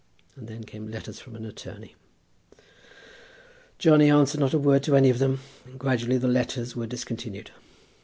And then came letters from an attorney. Johnny answered not a word to any of them, and gradually the letters were discontinued.